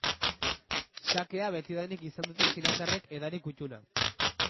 Sakea betidanik izan dute txinatarrek edari kuttuna.